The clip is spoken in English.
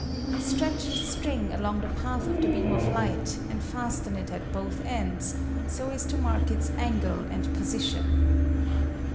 Stretch a string along the path of the beam of light and fasten it at both ends — so as to mark its angle and position.